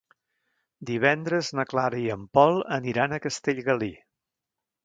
Divendres na Clara i en Pol aniran a Castellgalí.